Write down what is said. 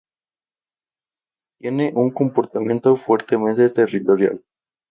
Tiene un comportamiento fuertemente territorial.